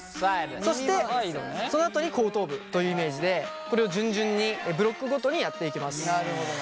そしてそのあとに後頭部というイメージでこれを順々にブロックごとにやっていきます。